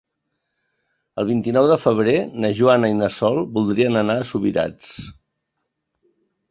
El vint-i-nou de febrer na Joana i na Sol voldrien anar a Subirats.